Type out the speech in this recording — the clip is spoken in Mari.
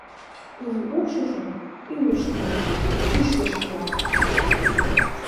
Тудын укшыжо, ӱлыч тӱҥалын, кӱшкӧ шарла.